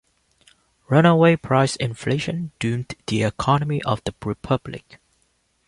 Runaway price inflation doomed the economy of the Republic.